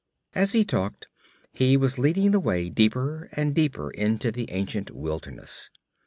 As he talked he was leading the way deeper and deeper into the ancient wilderness.